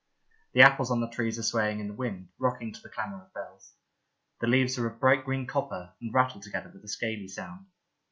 The apples on the trees are swaying in the wind, rocking to the clamour of bells. The leaves are of bright green copper, and rattle together with a scaly sound.